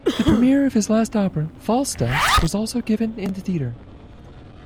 The premiere of his last opera, "Falstaff" was also given in the theatre.